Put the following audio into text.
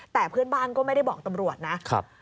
แต่เพื่อนบ้านก็ไม่ได้บอกตำรวจนะครับ